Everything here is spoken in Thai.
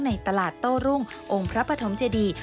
ในตลาดโต้รุ่งองค์พระปฐมเจดี